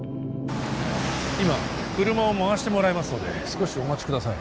今車を回してもらいますので少しお待ちください